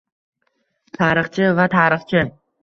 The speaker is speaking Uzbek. Tarixchi va «tarixchi»